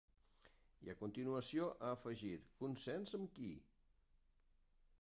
I a continuació ha afegit: Consens amb qui?